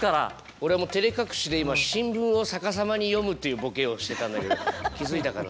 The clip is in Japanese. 俺もてれ隠しで今新聞を逆さまに読むっていうボケをしてたんだけど気づいたかな。